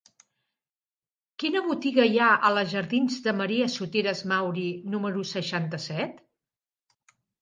Quina botiga hi ha a la jardins de Maria Soteras Mauri número seixanta-set?